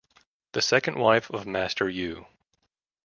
The second wife of Master Yu.